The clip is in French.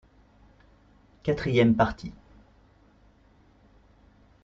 Quatrième partie.